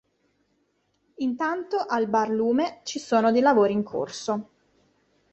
Intanto, al Bar Lume, ci sono dei lavori in corso.